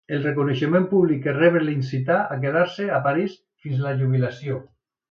El reconeixement públic que rebé l'incità a quedar-se a París, fins a la jubilació.